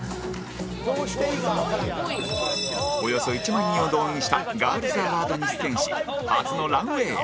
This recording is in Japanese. およそ１万人を動員したガールズアワードに出演し初のランウェーへ